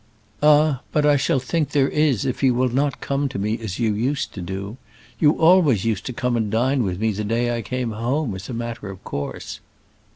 "Ah, but I shall think there is if you will not come to me as you used to do. You always used to come and dine with me the day I came home, as a matter of course."